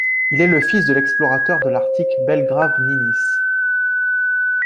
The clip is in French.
Il est le fils de l'explorateur de l'Arctique Belgrave Ninnis.